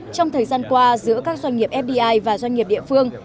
trong thời gian qua giữa các doanh nghiệp fdi và doanh nghiệp địa phương